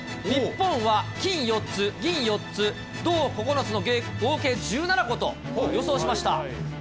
日本は金４つ、銀４つ、銅９つの合計１７個と予想しました。